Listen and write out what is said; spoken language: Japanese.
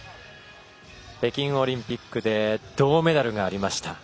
北京オリンピックで銅メダルがありました。